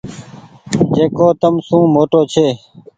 جيڪو تم سون موٽو ڇي ۔